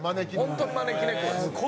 本当に招き猫ですね。